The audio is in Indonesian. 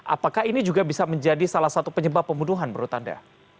apakah ini juga bisa menjadi salah satu penyebab pembunuhan menurut anda